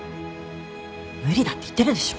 無理だって言ってるでしょ。